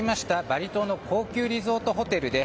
バリ島の高級リゾートホテルで